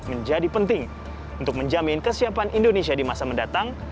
menjadi penting untuk menjamin kesiapan indonesia di masa mendatang